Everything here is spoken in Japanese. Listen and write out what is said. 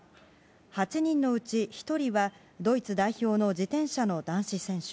８人のうち１人はドイツ代表の自転車の男子選手。